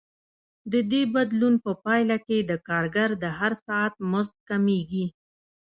د دې بدلون په پایله کې د کارګر د هر ساعت مزد کمېږي